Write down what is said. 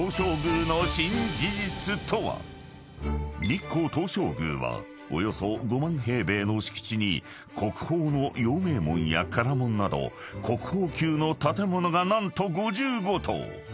［日光東照宮はおよそ５万平米の敷地に国宝の陽明門や唐門など国宝級の建物が何と５５棟］